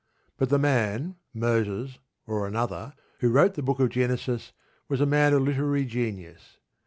But the man, Moses or another, who wrote the Book of Genesis was a man of literary genius.